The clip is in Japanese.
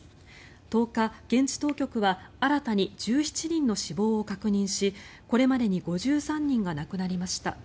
１０日、現地当局は新たに１７人の死亡を確認しこれまでに５３人が亡くなりました。